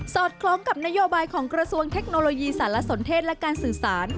อดคล้องกับนโยบายของกระทรวงเทคโนโลยีสารสนเทศและการสื่อสาร